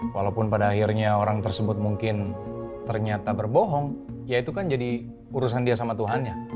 walaupun pada akhirnya orang tersebut mungkin ternyata berbohong ya itu kan jadi urusan dia sama tuhannya